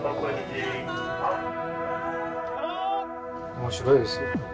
面白いですよ。